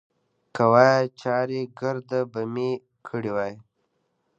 که وای، چارېګرد به مې کړی وای.